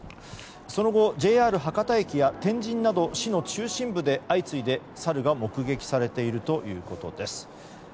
その後、ＪＲ博多駅や天神など市の中心部で相次いでサルが目撃されているということです。